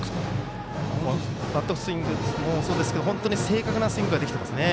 バットスイングもそうですけど本当に正確なスイングができていますよね。